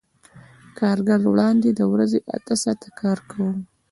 کارګر وړاندې د ورځې اته ساعته کار کاوه